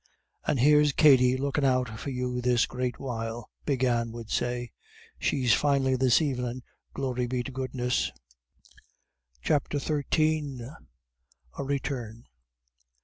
"And here's Katty lookin' out for you this great while," Big Anne would say, "she's finely this evenin', glory be to goodness." CHAPTER XIII. A RETURN.